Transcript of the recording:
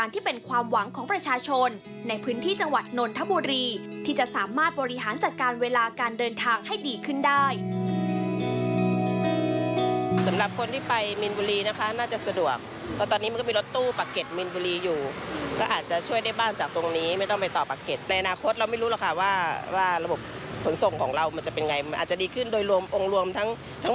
ที่จะสามารถบริหารจัดการเวลาการเดินทางให้ดีขึ้นได้